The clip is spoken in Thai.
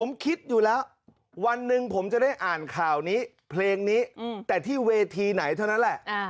ผมคิดอยู่แล้ววันหนึ่งผมจะได้อ่านข่าวนี้เพลงนี้แต่ที่เวทีไหนเท่านั้นแหละ